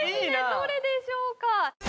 どれでしょうか？